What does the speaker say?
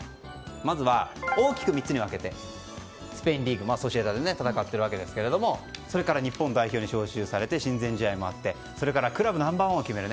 まずは、大きく３つに分けてスペインリーグソシエダで戦っているわけですが日本代表にも招集されて親善試合もあってクラブナンバー１を決める